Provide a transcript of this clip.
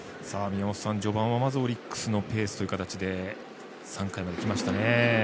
序盤はまだオリックスのペースという形で３回まできましたね。